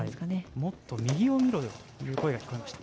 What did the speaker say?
もっと右を見ろよと声が聞こえました。